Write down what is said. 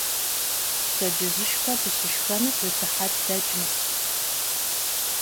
Pşedcıjışşxe dışışşxenur zı sıhet deç'meş.